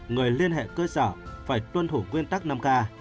người liên hệ cơ sở phải tuân thủ nguyên tắc năm k